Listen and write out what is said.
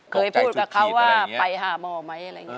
เคยพูดกับเขาว่าไปหาหมอไหมอะไรอย่างนี้